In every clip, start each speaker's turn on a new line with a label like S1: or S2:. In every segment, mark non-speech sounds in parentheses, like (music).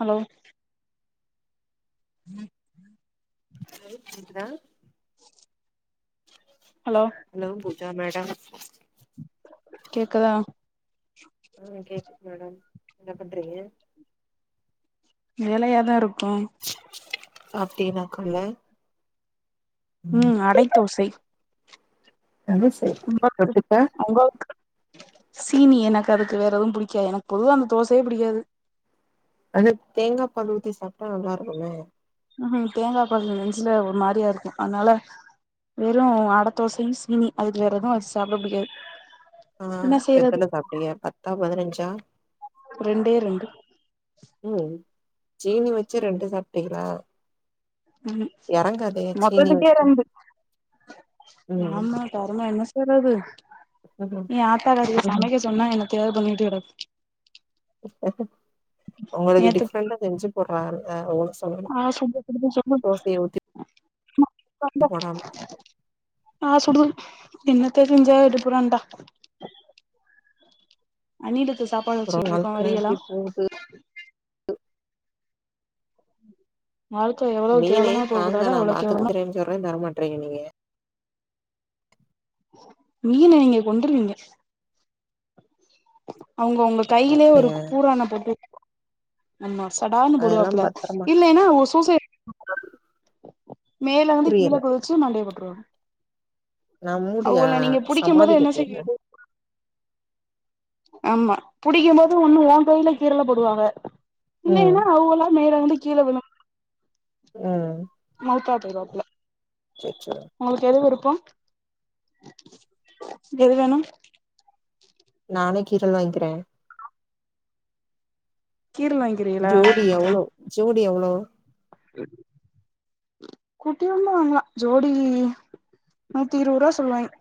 S1: hello
S2: light பிங்க்தா
S1: hello
S2: hello Pooja madam
S1: கேக்குதா
S2: ஆ கேக்குது மேடம் என்ன பண்றீங்க
S1: வேலையாதா இருக்கோ
S2: சாப்டியலாகுள்ள
S1: ம் அடை தோசை
S2: அது செரி
S1: உங்க
S2: தொட்டுக்க
S1: உங்களுக்கு சீனி எனக்கு அதுக்கு வேற எதுவு புடிக்காது எனக்கு பொதுவா அந்த தோசையே புடிக்காது
S2: அனா தேங்காய் பால் ஊத்தி சாப்பிட்டா நல்லா இருகுமே
S1: ம்ஹூம் தேங்காய் பால் நெஞ்சுல ஒரு மாதிரியா இருக்கு அதனால வெறு அடை தோசை சீனி அதுக்கு வேற எதுவு வச்சு சாப்பிட புடிக்காது
S2: ஆ
S1: என்ன செய்யறது
S2: எத்தன சாப்டிங்க பத்தா பதினஞ்சா
S1: ரெண்டே ரெண்டு
S2: உ சீனி வச்சே ரெண்டு சாப்பிட்டிங்கலா
S1: ம்
S2: சீனி
S1: மொத்ததுக்கே
S2: வச்சு
S1: ரெண்டு
S2: ம்
S1: ஆமா கரும என்ன செய்றது
S2: (unintelligible)
S1: எ ஆத்தாகாரிய சமைக்க சொன்னா எனத்தையாது பண்ணிட்டு கெடக்கு
S2: உங்களுக்கு
S1: நேத்து
S2: டிஃப்ரெண்டா செஞ்சு போடுறாங்கல்ல ஓ
S1: ஆ சுடுது
S2: போடாம
S1: (unintelligible) ஆ சுடுது என்னத்த செஞ்ச டிஃபரெண்டா அணிலிக்கு சாப்பா
S2: அப்புறோ வாழ்க்கல எப்டி போகுது
S1: நாள்களையோ
S2: மீனேதாங்க நா பாத்துக்கிறேன்னு சொல்றே தரமாட்டறீங்க நீங்க
S1: மீனை நீங்க கொண்டுருவீங்க அவங்க உங்க கையிலே ஒரு
S2: நீங்க
S1: பூறான பொட்டு ஆமா சடான்னு
S2: அதெல்லா
S1: போடுவாப்ல
S2: பத்திரமா
S1: இல்லைனா சூசைடி மேல இருந்து கீழ
S2: புரியல
S1: குதிச்சு மண்டய போட்ருவா
S2: நா மூடியா
S1: அவங்கள நீங்க புடிக்கும் போது
S2: சமாதி
S1: என்ன
S2: கட்டிறே
S1: செய்யுது ஆமா புடிக்கும் போது ஒன்னு ஓன் கையில கீறல போடுவாங்க
S2: ம்
S1: இல்லைன்னா அவுங்களா மேல இருந்து கீழ விழு
S2: ம்
S1: மௌத்தாப் போயிருவாப்புல
S2: அச்சச்சோ
S1: உங்களுக்கு எது விருப்போ எது வேணு
S2: நானே கீறல் வாங்கிக்கிறே
S1: கீறல் வாங்
S2: ஜோடி எவ்ளோ ஜோடி எவ்ளோ
S1: குட்டி வேணா வாங்கலா ஜோடி நூத்தி இருவது ரூபா சொல்லுவாய்ங்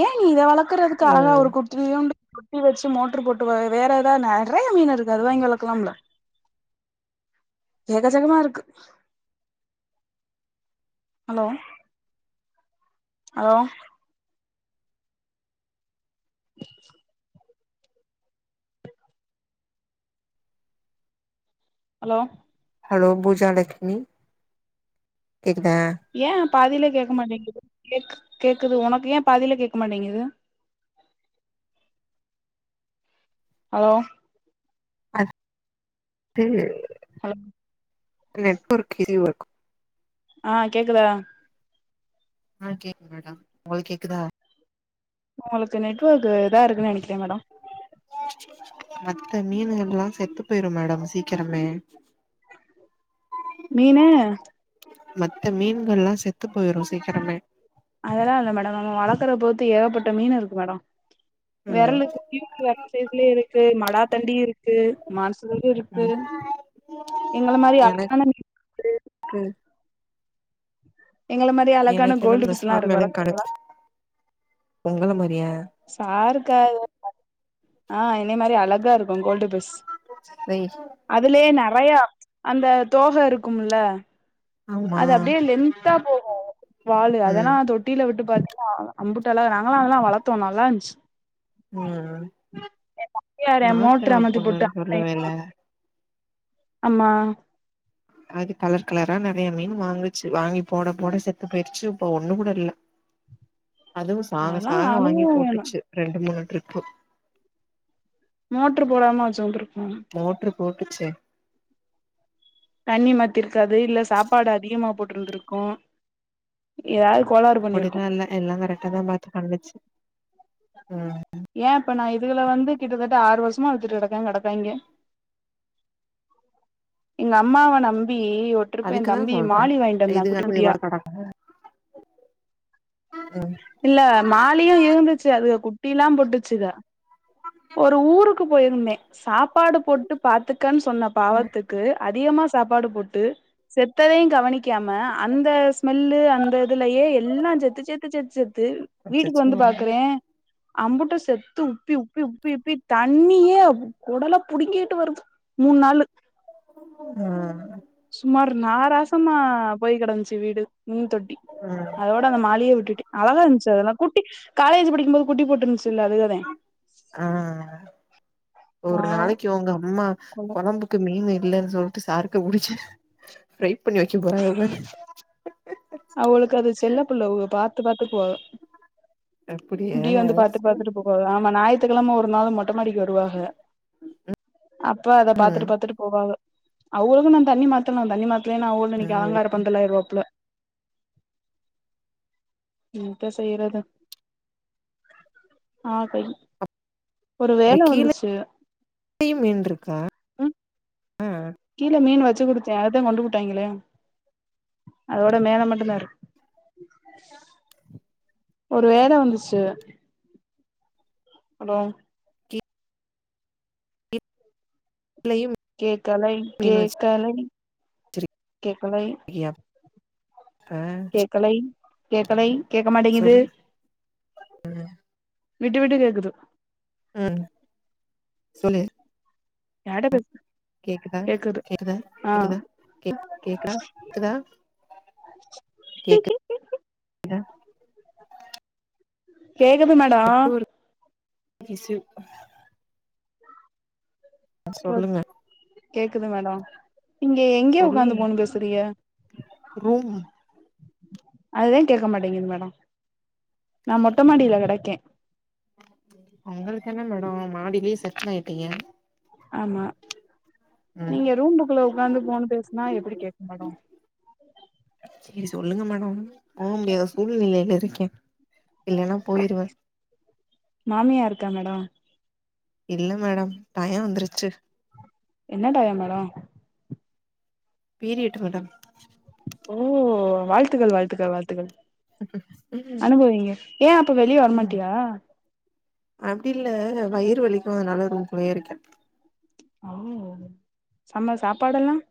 S1: ஏ நீ இத வளர்க்குறக்கு அழகா
S2: ம்
S1: ஒரு கு ட்டியூண்ட்டு ட்டி வச்சு மோட்டரு போட்டு வே வேற ஏதாவ நெறைய மீன் இருக்கு அது வாங்க வளக்கலாமில்ல எக்கச்சக்கமா இருக்கு hello hello hello
S2: hello Poojalakshmi கேக்குதா
S1: ஏ பாதியில் கேட்க மாட்டேங்குது கேக் கேட்குது உனக்கு ஏ பாதியில கேட்க மாட்டேங்குது ஹலோ
S2: அ (unintelligible)
S1: ஹலோ
S2: நெட் ஒர்க் இதுவருக்கு
S1: ஆ கேக்குதா
S2: ஆ கேக்குது மேடம் உங்களுக்கு கேக்குதா
S1: உங்களுக்கு நெட்ஒர்க் இத இருக்குன்னு நெனைக்கிறே மேடம்
S2: மத்த மீன்கள்ல்லாம் செத்து போயிரும் மேடம் சீக்கிரமே
S1: மீனு
S2: மத்த மீன்கள் எல்லா செத்து போயிரும் சீக்கிரமே
S1: அதெல்லா இல்ல மேடம் நம்ம வளர்க்குற பொறுத்து ஏகப்பட்ட மீன் இருக்கு மேடம்
S2: உம்
S1: வீட்ல வச்சதுலயே இருக்கு மலா தண்டி இருக்கு மான்சலும் இருக்கு
S2: ம்
S1: எங்கள மாரி அடக்கான
S2: எனக்கு
S1: எங்கள மாரி அழகான
S2: எனக்கு என்ன
S1: கோல்டு ஃபிஷ்லா இருக்கு
S2: இந்த (inaudible) கட
S1: வளக்கறீங்களா
S2: உங்கள மாறியா
S1: சாருக்கா ஆ இதே மாதிரி அழக இருக்கு கோல்டு வீஸ்
S2: வை
S1: அதுலயே நெறைய அந்த தோகை இருக்கும்ல
S2: ஆமா
S1: அது அப்டியே லென்தா போகும் வாலு
S2: ம்
S1: அதெல்லாம் தொட்டு டியில விட்டு பாத்தீங்கான அம்புட்ட அழகா நாங்க அதொலாம் வளர்த்தோம் நல்லா இருந்துச்சு
S2: உம்
S1: யாரு மோட்டர்
S2: நாத்தனார்
S1: அமத்தி போட்டு
S2: பொண்ணுன்னு சொல்லுவேன்ல
S1: ஆமா
S2: அது கலர் கலரா நெறைய மீன் வாங்குச்சு வாங்கி போட போட செத்து போயிடுச்சு இப்ப ஒண்ணு கூட இல்ல அதுவும் சாக
S1: அதெல்லா
S2: சாக வாங்கி
S1: அனுபவோ வேணு
S2: போட்டுச்சு ரெண்டு மூணு ட்ரிப்பு
S1: மோட்ரு போடாமல் வச்சு வந்திருக்கு
S2: மோட்ரு போட்டுச்சே
S1: தண்ணி மாத்திருக்காது இல்ல சாப்பாடு அதிகமா போட்ருந்திருக்கு ஏதாவது கோளாரு பன்னி
S2: அப்டிலா இல்ல எல்லா கரக்டா தா மாத்தி ப பண்ணிச்சு உம்
S1: ஏ இப்ப நா இதுகல வந்து கிட்டத்தட்ட ஆறு வருஷமா வித்துட்டுக்கிடக்கே கெடைக்காங்க எங்க அம்மாவ நம்பி ஒ
S2: அதுக்குதா சொல்றே இது வந்து ஒர்க்கவுட் ஆகும்ல உம்
S1: இல்ல மாலியும் இருந்துச்சு அது குட்டி எல்லா போட்டுச்சுக ஒரு ஊருக்கு போயிருந்தே சாப்பாடு போட்டு பாத்துக்கன்னு சொன்ன
S2: ம்
S1: பாவத்துக் கு அதிகமா சாப்பாடு போட்டு செத்ததையும் கவனிக்காம அந்த ஸ்மெல்லு அந்த இதுலயே எல்லா செத்து செத்து செத்து செத்து செத்து வீட்டுக்கு
S2: அச்சச்சோ
S1: வந்து பாக்குறே அம்புட்டு செத்து உப்பி உப்பி உப்பி உப்பி தண்ணியே குடலை புடுங்கிட்டு வருது மூணு நாளு
S2: உம்
S1: சுமார் நாராசமா போய் கெடந்துச்சு வீடு மீன் தொட்டி
S2: அ
S1: அதோட அந்த மாலியை விட்டுட்டு அழகா இருந்துச்சு அதல்ல குட்டி காலேஜ் படிக்கும் போது குட்டி போட்டிருந்துச்சுல அதுக தா
S2: ஆ ஒரு
S1: பாவோ
S2: நாளைக்கு உங்க அம்மா கொழம்பு இப்ப மீன் இல்லைன்னு சொல்லிட்டு சாருக்கு உரிச்சு ஃப்ரை பண்ணி வைக்கப் போறாங்க பாரு
S1: அவுகளுக்கு அது செல்ல பிள்ள அவுக பாத்து பாத்துக்குவாக
S2: அப்படியா
S1: இப்டியே வந்து பாத்துட்டு
S2: சரி
S1: பாத்துட்டு போ ஆமா ஞாயித்துக்கிழம ஒரு நாள் மொட்ட மாடிக்கு வருவாக அப்ப அத
S2: ம்
S1: பாத்துட்டு பாத்துட்டு போவாக அவங்களுக்கும் நான் தண்ணி மாத்தணும் தண்ணி மாத்தலேனா அவுகளும்
S2: ம்
S1: அலங்கார
S2: எப்படி
S1: பந்தல்லாய்ருவாப்ல என்ட செய்றது ஆ கை ஒரு வேல வந்துச்சு
S2: டீயும் வேண்டுருக்கா
S1: ம்
S2: அ
S1: கீழ மீனு வச்சு குடுத்தேன் அதத்தான் கொன்டு புட்டாய்ங்களே அதோட மேல மட்டும் தாருக் ஒரு வேல வந்துச்சு ஹலோ
S2: லையும்
S1: கேக்கலை கேக்கலை
S2: வச்சிருக்கியா
S1: கேக்கலை
S2: அப்ப
S1: கேக்கலை கேக்கலை கேக்க மாட்டேங்குது
S2: உ (unintelligible)
S1: விட்டு விட்டு கேக்குது
S2: ஆ சொல்லு
S1: யார்ட்ட பேஸ்
S2: கேக்குதா கேக்குதா
S1: ஆ
S2: கேக்குதா கே கேக்குதா க்குதா கேக்கு
S1: கேக்குது மேடோ
S2: (unintelligible) சொல்லுங்க
S1: கேக்குதா மேடம் நீங்க எங்கே உக்காந்து போன் பேசுறீக
S2: ரூமு
S1: அதுவே கேக்க மாட்டேங்குது மேடம் நான் மொட்ட மாடியில கெடக்கேன்
S2: உங்களுக்கு என்ன மேடம் மாடியிலயே செட்லாகிட்டீங்க
S1: ஆமா
S2: ம்
S1: நீங்க ரூம்புக்குள்ள உக்காந்து போன் பேஸ்னா எப்டி கேக்கும் மேடம்
S2: சேரி சொல்லுங்க மேடம் போக முடியாத சூழ்நிலையில இருக்கேன் இல்லன்னா போயிருவேன்
S1: மாமியா இருக்கா மேடம்
S2: இல்ல மேடம் டையம் வந்துருச்சு
S1: என்ன டைய மேடம்
S2: பீரியட்டு மேடம்
S1: ஓ வாழ்த்துகள் வாழ்த்துக்கள் வாழ்த்துக்கள்
S2: ம்
S1: அனுபவீங்க ஏன் அப்ப வெளிய
S2: ம்
S1: வரமாட்டியா
S2: அப்டி இல்ல வயிறு வலிக்கும் அதனால ரூம்குள்ளயே இருக்கேன்
S1: ஐயய்யோ செம சாப்பாடெல்லாம்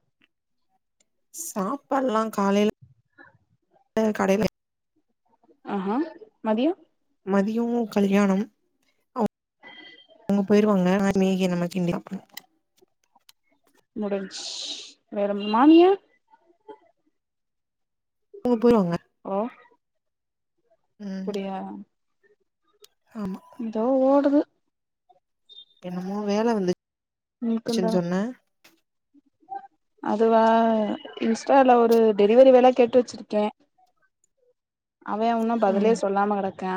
S2: சாப்பாட்லாம் காலையில கடைல
S1: ஆக மதியம்
S2: மதியம் கல்யாணம் ஒ அவங்க போயிருவாங்க நா மேகி அந்தமாரி கிண்டிக்கனும்
S1: முடிஞ்சு வேற மாம்மியா
S2: போ போயிருவாங்க
S1: ஓ
S2: ம்
S1: அப்புடியா
S2: ஆமா
S1: எதோ ஓடுது
S2: இப்ப மூணு வேல வந்துச்
S1: எனக்குந்தான்
S2: (unintelligible)
S1: அதுவா இன்ஸ்டால ஒரு டெலிவரி வேல கேட்டு வச்சிருக்கே அவே உன்னு பதிலே
S2: ம்
S1: சொல்லாம கெடக்யா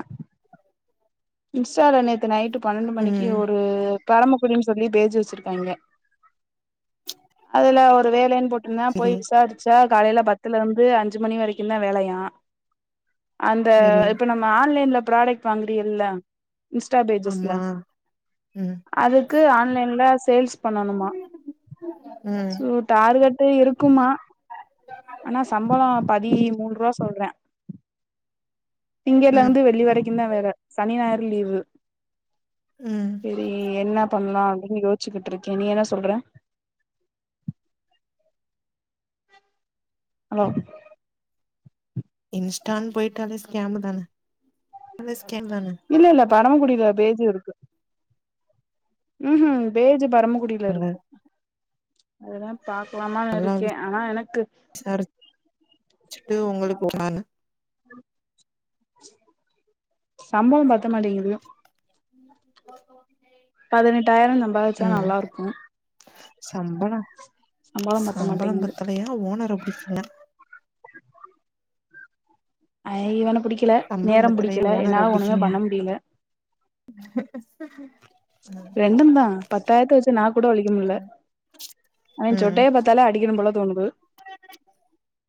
S1: இன்ஸ்டால நேத்து நைட்டு பன்னண்டு மணிக்கு
S2: ம்
S1: ஒரூ பரமக்குடின்னு சொல்லி பேஜி வச்சிருக்காங்க அதுல ஒரு வேலன்னு போட்ருந்தா போய்
S2: செரி
S1: விசாரிச் சா காலைல பத்துலருந்து அஞ்சு மணி வரைக்குந் தா வேலயா அந்த
S2: செரி
S1: இப்ப நம் ஆன்லைன்ல ப்ராடக்ட் வாங்குரீயில்ல இன்ஸ்டா பேஜஸ்ல
S2: ஆமா ம்
S1: அதுக்கு ஆன்லைன்ல சேல்ஸ் பண்ணனுமா
S2: ம்
S1: சுத் டார்கெட் இருக்குமா ஆனா சம்பளோ பதீ மூன்ருவா சொல்றா திங்கல்ல
S2: ம்
S1: இருந்து வெள்ளி வரைக்கு தா வேல சனி ஞாயுறு லீவு
S2: ம்
S1: செரி என்ன பண்லா அப்டினு யோசிச்சுக்கிட்ருக்கே நீ என்ன சொல்ற அலோ
S2: இன்ஸ்டான் போயிட்டால ஸ்கேம் தானே எல்லாமே ஸ்கேம் தானே
S1: இல்ல இல்ல பரம குடியுல பேஜு இருக்கு ம் பேஜ் பரம குடில்
S2: அங்க
S1: லருக்கு அதுதா பாக்லாமானுருக்கே ஆனா எனக்கு
S2: சருச் (unintelligible) சுட்டு உங்களுக்கு ஒரு அன்
S1: சம்பளோ பத்த மாட்டேங்குது
S2: நோ நோ நை
S1: பதினெட்டாயிரோ சம்பாதிச்சா நல்லா இருக்கு
S2: சம்பளோ
S1: பத்த
S2: சம்பளம்
S1: மாட்டேங்குது
S2: பத்தலையா ஓனர புடிக்கலயா
S1: ஐ இவன புடிக்கல
S2: சம்பளம்
S1: நேரம்
S2: பத்தலையா
S1: புடிக்கல
S2: ஓனர
S1: என்னால ஒன்னுமே
S2: புடிக்கலையா
S1: பண்ண முடியல
S2: (unintelligible)
S1: ரெண்டுந்தா பத்தாயிரத்த வச்சு நாக்கூட வலிக்க முடியல
S2: ம்
S1: அவே
S2: ம்
S1: சொட்டைய பாத்தாலே அடிக்கணு போல தோணுது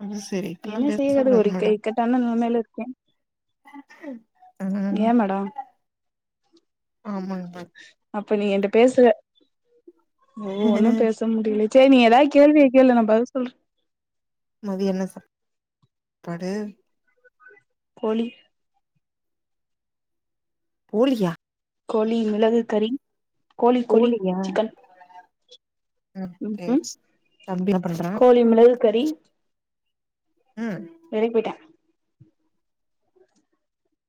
S2: அது சரி இப்பல்லா
S1: என்ன செய்யுறது
S2: பேசக்கூடாது
S1: ஒரு இக்க இக்கட்டானா நிலமைல இருக்கே
S2: ஆ
S1: ஏ மேடம்
S2: ஆமாங்மேம்
S1: அப்போ நீ என்ட பேசுவ ஓ ஒன்னு
S2: மேடம்
S1: பேச முடில செரி நீ ஏதாவு து கேள்வி கேளு நா பதில் சொல்றே
S2: மதியோ என்ன சாப் (unintelligible) பாடு
S1: போளி
S2: போளியா
S1: கோளி மிளகு கறி கோளி கோளி
S2: கோழியா
S1: சிக்கன்
S2: ம்
S1: ம்ஹும்
S2: ச்சேரி சேர் தம்பி என்ன பண்றா
S1: கோழி மிளகு கறி
S2: ம்
S1: வெளிப்போயிட்டே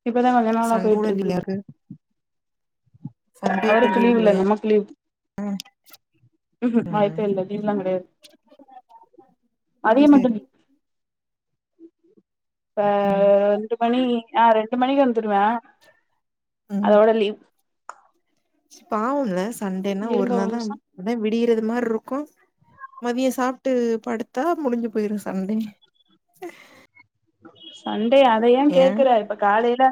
S1: இப்பதா கொஞ்ச நாளா
S2: சண்டே கூட
S1: பேயிட்ருக்கு
S2: சண்டயப்ப
S1: அவருக்கு
S2: லீவ்
S1: இல்ல
S2: உள்ளையா
S1: நமக்கு லீவ்
S2: (unintelligible) ம்
S1: வாய்ப்பே இல்ல லீவுலா கெடையாது
S2: அது
S1: மதியோ மட்டுந்
S2: சரி
S1: ப்ப ரெண்டு மணி ஆ ரெண்டு மணிக்கு வந்துருவே அதோட லீவ்
S2: பாவும்ல சண்டேனா ஒரு
S1: இருங்க
S2: நாள் தா
S1: நிமிஷோ
S2: (unintelligible) விடியறது மாரி ருக்கு மதியோ சாப்ட்டு படுத்தா முடிஞ்சு போய்ரு சண்டே
S1: சண்டே அத ஏ கேக்குற இப்ப காலைல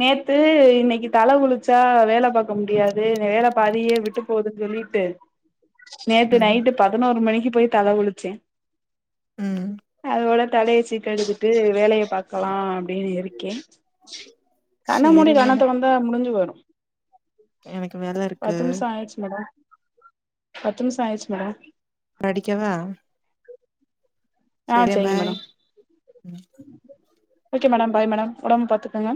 S1: நேத்து இன்னிக்கு தல குளிச்சா வேல பாக்க முடியாது வேல பாதியே விட்டுப் போதுன் சொல்லிட்டு நேத்து
S2: ம்
S1: நைட்டு பதினோரு மணிக்கு போய் தல குளிச்சே
S2: ம்
S1: அதோட தலைய சிக் கெடுகு து வேலைய பாக்கலா அப்டின்னு இருக்கே கண்ணமூடி
S2: சேரி
S1: கண்ணத்
S2: மேடம்
S1: தொறந் ந்த முடிஞ்சு வரும்
S2: எனக்கு வேல இருக்கு
S1: என்னாயிச்சு மேடம் பத்து நிமுசம் ஆயிச்சு மேடோ
S2: அடிக்கவா
S1: ஆ சரிங்க madam
S2: bye
S1: okay madam bye madam உடம்ப பாத்துக்குங்க